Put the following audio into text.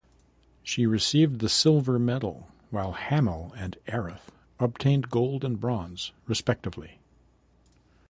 She received the silver medal, while Hamill and Errath obtained gold and bronze respectively.